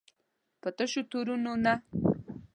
په تشو تورونو نه.